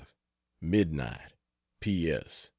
Midnight, P.S.